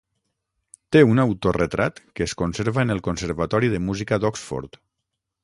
Té un autoretrat que es conserva en el conservatori de música d'Oxford.